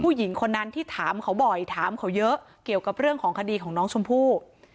ผู้หญิงคนนั้นที่ถามเขาบ่อยถามเขาเยอะเกี่ยวกับเรื่องของคดีของน้องชมพู่